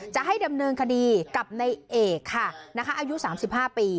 จะให้ดำเนินคดีกับในเอกค่ะนะคะอายุ๓๕ปี